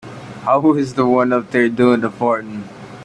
I was the one up there doing the farting.